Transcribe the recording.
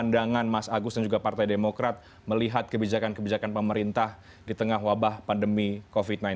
pandangan mas agus dan juga partai demokrat melihat kebijakan kebijakan pemerintah di tengah wabah pandemi covid sembilan belas